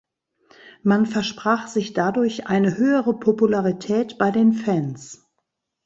Man versprach sich dadurch eine höhere Popularität bei den Fans.